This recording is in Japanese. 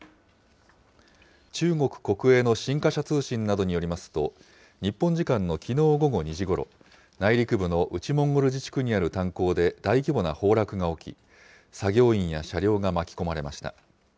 中国国営の新華社通信などによりますと、日本時間のきのう午後２時ごろ、内陸部の内モンゴル自治区にある炭鉱で、大規模な崩落が起き、作業員や車両が巻き込まれました。